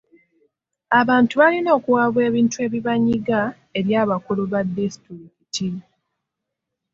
Abantu balina okuwaaba ebintu ebibanyiga eri abakulu ba disitulikiti.